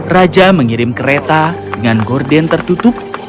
raja mengirim kereta dengan gorden tertutup